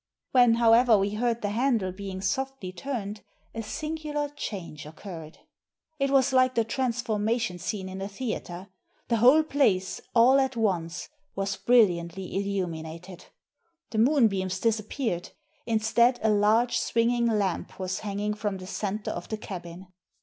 When, however, we heard the handle being softly turned, a singular change occurred. It was like the trans formation scene in a theatre. The whole place, all at once, was brilliantly illuminated. The moon beams disappeared. Instead, a large swinging lamp was hanging from the centre of the cabin.